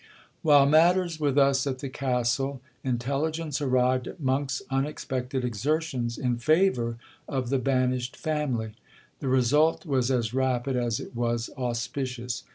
'While matters were thus at the Castle, intelligence arrived of Monk's unexpected exertions in favour of the banished family. The result was as rapid as it was auspicious.